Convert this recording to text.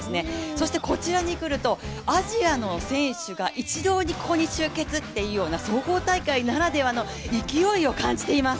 そしてこちらに来るとアジアの選手が一堂にここに集結というような総合大会ならではの勢いを感じています。